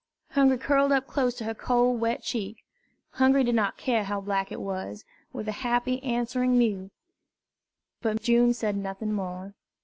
Hungry curled up close to her cold, wet cheek Hungry did not care how black it was with a happy answering mew; but June said nothing more.